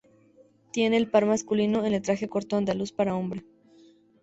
Tiene el par masculino en el traje corto andaluz para hombre.